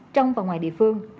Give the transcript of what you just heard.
trong và ngoài địa phương